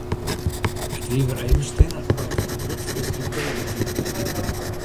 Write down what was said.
It wie wer even stinne by it Grut Frysk Diktee dizze wike.